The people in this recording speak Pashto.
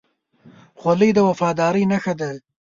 خولۍ د وفادارۍ نښه ده.